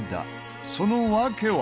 その訳は？